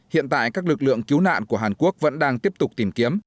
hiện tại các lực lượng cứu nạn của hàn quốc vẫn đang tiếp tục tìm kiếm